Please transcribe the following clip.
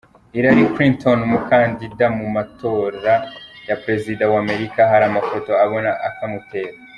Hillary Clinton umukandida mu matora ya Perezida w"Amerika hari amafoto abona akamutera.